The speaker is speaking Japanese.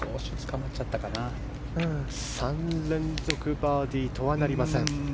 ３連続バーディーとはなりません。